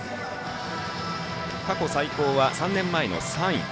過去最高は３年前の３位。